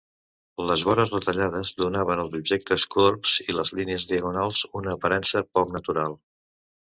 Les vores retallades donaven als objectes corbs i les línies diagonals una aparença poc natural.